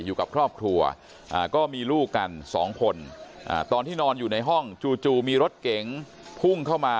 อยู่กับครอบครัวก็มีลูกกัน๒คนตอนที่นอนอยู่ในห้องจู่มีรถเก๋งพุ่งเข้ามา